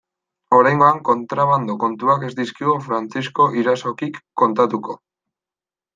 Oraingoan kontrabando kontuak ez dizkigu Frantzisko Irazokik kontatuko.